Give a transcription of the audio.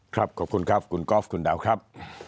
ขอบคุณครับคุณกอล์ฟคุณดาวครับ